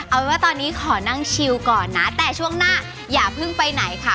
เอาเป็นว่าตอนนี้ขอนั่งชิวก่อนนะแต่ช่วงหน้าอย่าเพิ่งไปไหนค่ะ